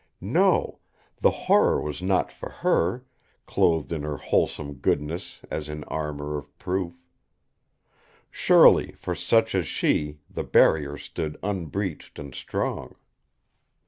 No! The horror was not for her, clothed in her wholesome goodness as in armor of proof. Surely for such as she the Barrier stood unbreached and strong.